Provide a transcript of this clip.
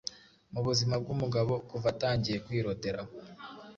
mu buzima bw’umugabo kuva atangiye kwiroteraho